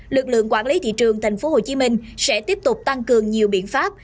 lực lượng quản lý thị trường tp hcm sẽ tiếp tục tăng cường nhiều biện pháp